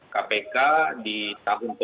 kpk di tahun